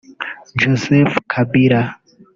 Joseph Kabila